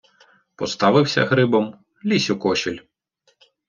Поставився грибом, лізь у кошіль.